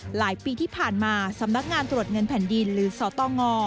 หลายปีที่ผ่านมาสำนักงานตรวจเงินแผ่นดินหรือสตง